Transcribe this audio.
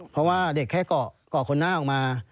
เพราะว่าเด็กแค่เกาะคนหน้าออกมา